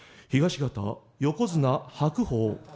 「東方横綱白鵬。